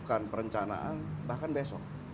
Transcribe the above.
bahkan perencanaan bahkan besok